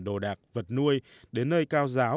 đồ đạc vật nuôi đến nơi cao giáo